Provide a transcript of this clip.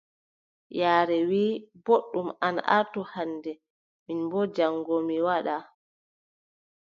Yaare wii: booɗɗum an artu hannde, min boo jaŋgo mi waɗa.